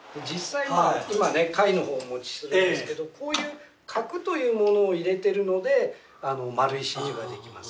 今ね貝の方お持ちするんですけどこういう核というものを入れてるので丸い真珠ができます。